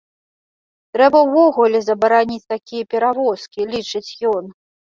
Трэба ўвогуле забараніць такія перавозкі, лічыць ён.